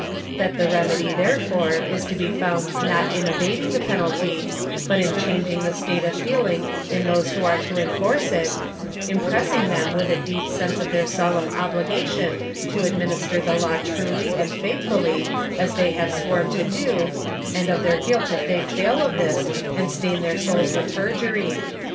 That the remedy therefore is to be found not in abating the penalty, but in changing the state of feeling in those who are to enforce it; impressing them with a deep sense of their solemn obligation to administer the law truly and faithfully as they have 'sworn to do, and of their guilt if they fail of this and stain their souls with perjury.